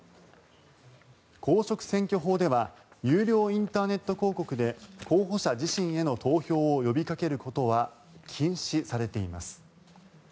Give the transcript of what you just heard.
公職選挙法では有料インターネット広告で候補者自身への投票を呼びかけることは禁止されています。